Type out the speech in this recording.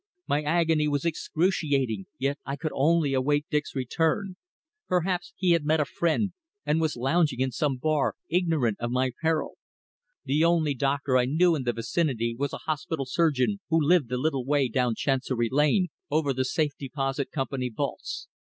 My agony was excruciating, yet I could only await Dick's return. Perhaps he had met a friend, and was lounging in some bar ignorant of my peril. The only doctor I knew in the vicinity was a hospital surgeon who lived a little way down Chancery Lane, over the Safe Deposit Company's vaults.